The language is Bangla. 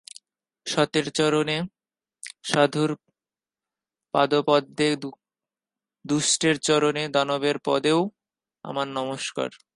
সতের চরণে, সাধুর পাদপদ্মে, দুষ্টের চরণে, দানবের পদেও আমার নমস্কার।